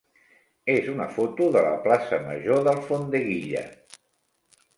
és una foto de la plaça major d'Alfondeguilla.